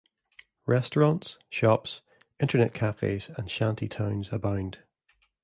Restaurants, shops, internet cafes, and shanty towns abound.